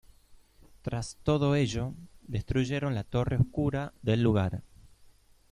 Tras todo ello, destruyeron la torre oscura del lugar.